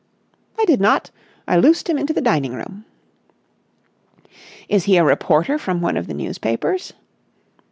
"I did not. I loosed him into the dining room." "Is he a reporter from one of the newspapers?"